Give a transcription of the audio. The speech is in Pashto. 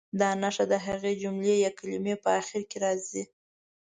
دا نښه د هغې جملې یا کلمې په اخر کې راځي.